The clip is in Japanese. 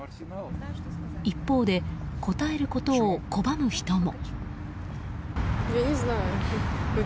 一方で答えることを拒む人も。